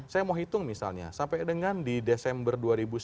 saya mau hitung misalnya sampai dengan di desember dua ribu sembilan belas